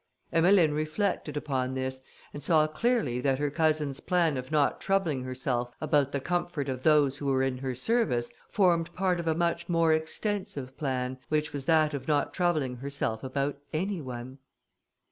Emmeline reflected upon this, and saw clearly that her cousin's plan of not troubling herself about the comfort of those who were in her service, formed part of a much more extensive plan, which was that of not troubling herself about any one.